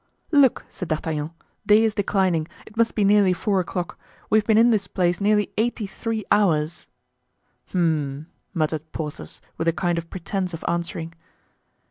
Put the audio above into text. "Look," said D'Artagnan, "day is declining. It must be nearly four o'clock. We have been in this place nearly eighty three hours." "Hem!" muttered Porthos, with a kind of pretense of answering.